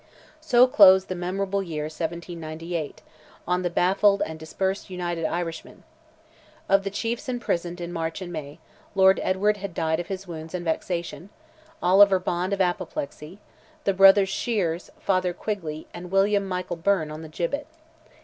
So closed the memorable year 1798, on the baffled and dispersed United Irishmen. Of the chiefs imprisoned in March and May, Lord Edward had died of his wounds and vexation; Oliver Bond of apoplexy; the brothers Sheares, Father Quigley, and William Michael Byrne on the gibbet.